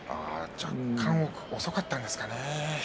若干、遅かったんですかね。